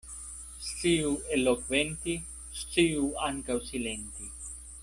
Sciu elokventi, sciu ankaŭ silenti.